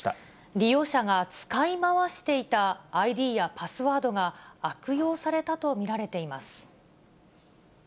利用者が使い回していたＩＤやパスワードが、悪用されたと見られています。